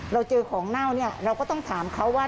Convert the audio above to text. เราเจอของเน่าเนี่ยเราก็ต้องถามเขาว่า